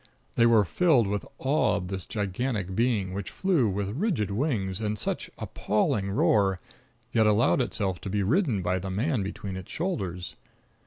They were filled with awe of this gigantic being which flew with rigid wings and such appalling roar, yet allowed itself to be ridden by the man between its shoulders.